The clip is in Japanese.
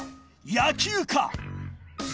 野球か？